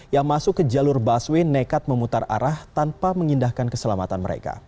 yang masuk ke jalur busway nekat memutar arah tanpa mengindahkan keselamatan mereka